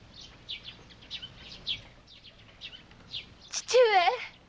父上！